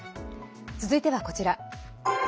続いては、こちら。